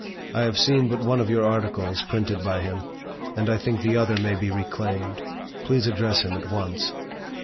I have seen but one of your articles printed by him, and I think the other may be reclaimed. Please address him at once."